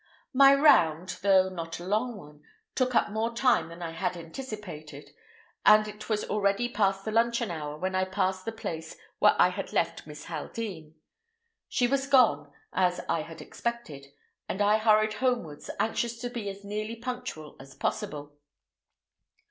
My "round," though not a long one, took up more time than I had anticipated, and it was already past the luncheon hour when I passed the place where I had left Miss Haldean. She was gone, as I had expected, and I hurried homewards, anxious to be as nearly punctual as possible.